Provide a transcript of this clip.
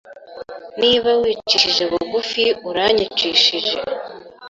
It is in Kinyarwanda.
Niba wicishije bugufi uranyicishije